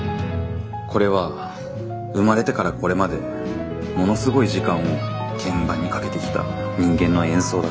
これは生まれてからこれまでものすごい時間を鍵盤にかけてきた人間の演奏だって。